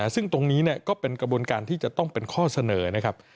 ซึ่งตรงนี้ก็เป็นกระบวนการที่จะต้องเป็นข้อเสนอนะครับ